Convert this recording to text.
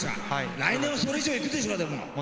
来年もそれ以上いくでしょうでも。